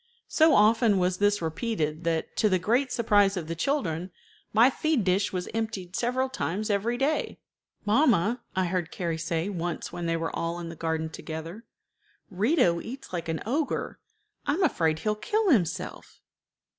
So often was this repeated that, to the great surprise of the children, my feed dish was emptied several times every day. "Mamma," I heard Carrie say once when they were all in the garden together, "Rito eats like an ogre. I am afraid he'll kill himself."